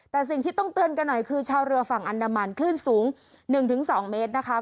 แต่สิ่งที่ต้องเตือนกันหน่อยคือชาวเรือฝั่งอันดามันคลื่นสูง๑๒เมตรนะคะ